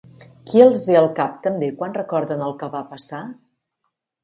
Qui els ve al cap també quan recorden el que va passar?